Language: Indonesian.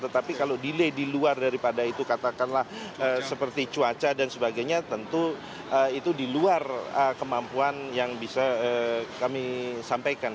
tetapi kalau delay di luar daripada itu katakanlah seperti cuaca dan sebagainya tentu itu di luar kemampuan yang bisa kami sampaikan